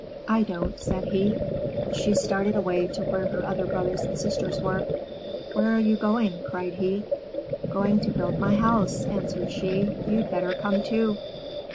"I don't," said he. She started away to where her other brothers and sisters were. "Where are you going?" cried he. "Going to build my house," answered she. "You'd better come too."